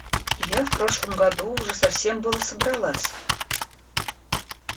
Я в прошлом году уже совсем было собралась.